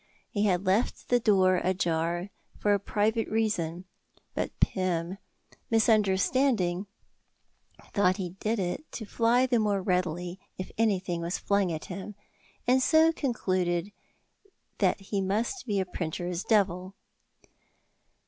He had left the door ajar for a private reason; but Pym, misunderstanding, thought he did it to fly the more readily if anything was flung at him, and so concluded that he must be a printer's devil.